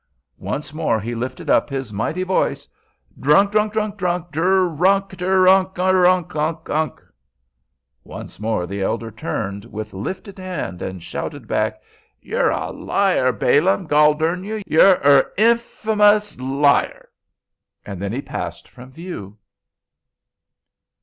Once more he lifted up his mighty voice: "Drunk, drunk, drunk, drer unc, drer unc, erunc, unc, unc." Once more the elder turned with lifted hand and shouted back: "You're a liar, Balaam, goldarn you! You're er iffamous liar." Then he passed from view.